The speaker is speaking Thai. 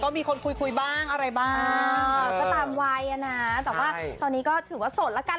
มีคนคุยคุยบ้างอะไรบ้างก็ตามวัยอ่ะนะแต่ว่าตอนนี้ก็ถือว่าสดแล้วกัน